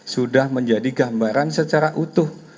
sudah menjadi gambaran secara utuh